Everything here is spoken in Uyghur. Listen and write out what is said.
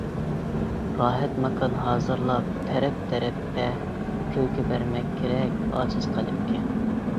« راھەت ماكان ھازىرلاپ تەرەپ- تەرەپتە، كۈلكە بەرمەك كېرەك ئاجىز قەلبىگە».